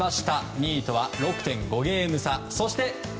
２位とは６．５ゲーム差。